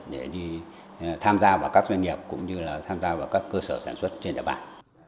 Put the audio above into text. để đi tham gia vào các doanh nghiệp cũng như là tham gia vào các cơ sở sản xuất trên địa bàn